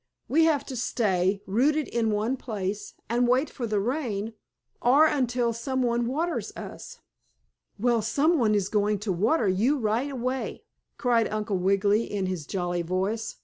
We have to stay, rooted in one place, and wait for the rain, or until some one waters us." "Well, some one is going to water you right away!" cried Uncle Wiggily in his jolly voice.